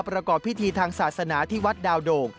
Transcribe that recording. ประกอบพิธีทางศาสนาที่วัดดาวโด่ง